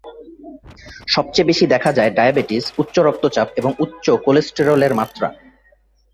সবচেয়ে বেশি দেখা যায় ডায়াবেটিস, উচ্চ রক্তচাপ এবং উচ্চ কোলেস্টেরলের মাত্রা।